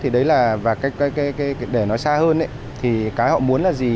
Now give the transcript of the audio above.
để nói xa hơn cái họ muốn là gì